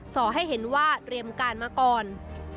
อให้เห็นว่าเตรียมการมาก่อน